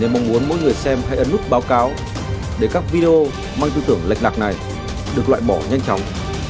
mong muốn mỗi người xem hãy ấn nút báo cáo để các video mang tư tưởng lệch lạc này được loại bỏ nhanh chóng